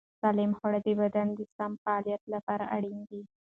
سالم خواړه د بدن د سم فعالیت لپاره اړین دي.